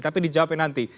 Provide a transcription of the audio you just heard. tapi dijawabin nanti